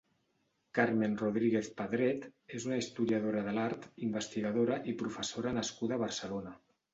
Carmen Rodríguez Pedret és una historiadora de l'art, investigadora i professora nascuda a Barcelona.